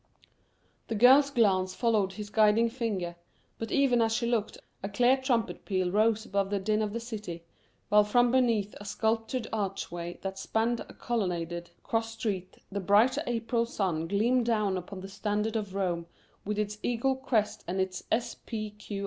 The girl's glance followed his guiding finger, but even as she looked a clear trumpet peal rose above the din of the city, while from beneath a sculptured archway that spanned a colonnaded cross street the bright April sun gleamed down upon the standard of Rome with its eagle crest and its S. P.